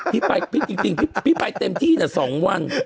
พี่ไปพี่จริงพี่ไปเต็มที่นะ๒วัน